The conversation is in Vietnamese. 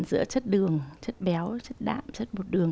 giữa chất đường chất béo với chất đạm chất bột đường